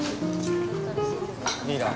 リーダー。